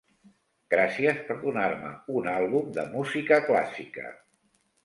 Gràcies per donar-me un àlbum de música clàssica.